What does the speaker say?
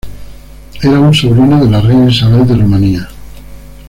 Era un sobrino de la reina Isabel de Rumania.